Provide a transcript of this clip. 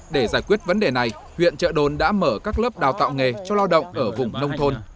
để giải quyết vấn đề này huyện trợ đồn đã mở các lớp đào tạo nghề cho lao động ở vùng nông thôn